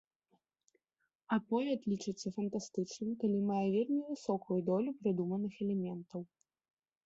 Аповяд лічыцца фантастычным, калі мае вельмі высокую долю прыдуманых элементаў.